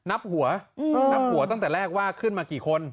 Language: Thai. นับหัวนับหัวตั้งแต่แรกว่าขึ้นมากี่คน